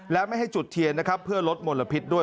และไม่ให้จุดเทียนนะครับเพื่อลดมลพิษด้วย